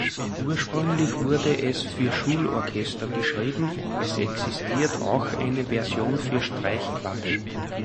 Ursprünglich wurde es für Schulorchester geschrieben, es existiert auch eine Version für Streichquartett.